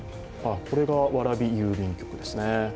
これが蕨郵便局ですね。